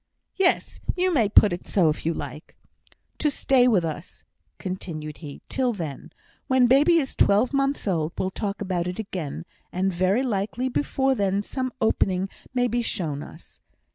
"Yes; you may put it so if you like." "To stay with us," continued he, "till then. When baby is twelve months old, we'll talk about it again, and very likely before then some opening may be shown us.